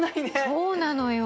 そうなのよ。